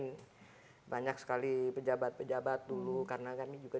banyak sekali pejabat pejabat dulu karena kami juga pada di kbri kan sekali pejabat pejabat dulu karena kami juga